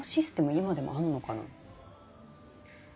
今でもあんのかな？